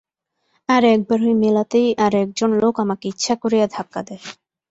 আর একবার ঐ মেলাতেই আর একজন লোক আমাকে ইচ্ছা করিয়া ধাক্কা দেয়।